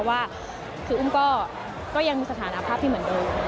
ว่าคืออุ้มก็ยังมีสถานภาพที่เหมือนเดิม